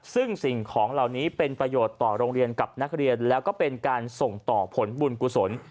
ซึ่งสิ่งของเหล่านี้เป็นประโยชน์ต่อโรงเรียนกับนักเรียนแล้วก็เป็นการส่งต่อผลบุญกุศล